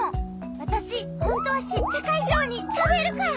わたしほんとはシッチャカいじょうにたべるから！